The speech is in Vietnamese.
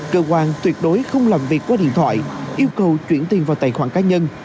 cơ quan tuyệt đối không làm việc qua điện thoại yêu cầu chuyển tiền vào tài khoản cá nhân